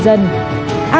a cộng truyền hình công an